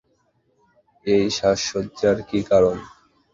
এই সাজসজ্জার কি কারন?